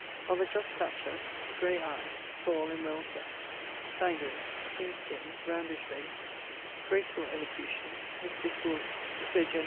Of a just stature; grey eie; tall and well sett; sanguine; thin skin; roundish face; gracefull elocution; his discourse so gent.